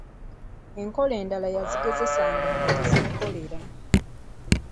Enkola endala yazigezesanga nga tezimukolera.